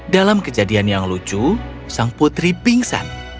dalam kejadian yang lucu sang putri pingsan